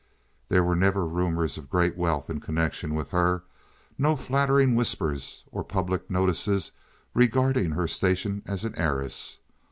There were never rumors of great wealth in connection with her—no flattering whispers or public notices regarding her station as an heiress.